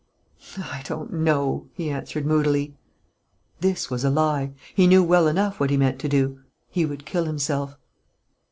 "I don't know," he answered, moodily. This was a lie. He knew well enough what he meant to do: he would kill himself.